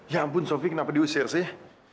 ya ampun sofi kenapa diusir sih